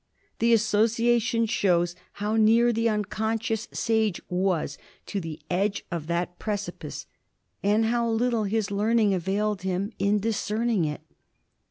The association shows how near the unconscious sage was to the edge of that precipice and how little his learning availed him in discerning it.